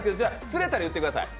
釣れたら言ってください。